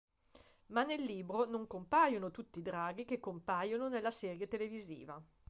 Ma nel libro non compaiono tutti i draghi che compaiono nella serie televisiva.